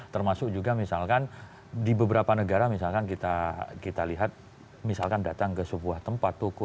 termasuk juga misalkan di beberapa negara misalkan kita lihat misalkan datang ke sebuah tempat toko